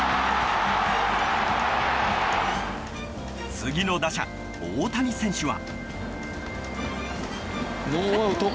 次の打者、大谷選手は。